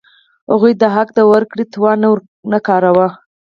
هغوی د حق د ورکړې توان نه کاراوه.